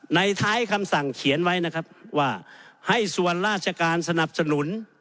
ท้ายคำสั่งเขียนไว้นะครับว่าให้ส่วนราชการสนับสนุน